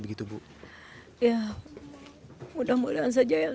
ya mudah mudahan saja ya